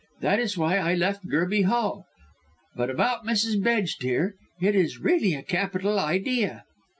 That is why I left Gerby Hall. But about Mrs. Bedge, dear; it is really a capital idea."